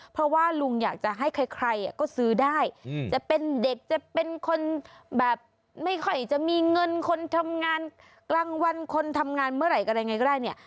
เพราะว่าลุงอยากจะให้ใครก็ซื้อได้จะเป็นเด็กจะเป็นคนแบบไม่ค่อยจะมีเงินคนทำงานกลางวันคนทำงานเมื่อไหร่อะไรไงก็ได้เนี่ย